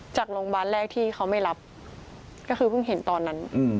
จากโรงพยาบาลแรกที่เขาไม่รับก็คือเพิ่งเห็นตอนนั้น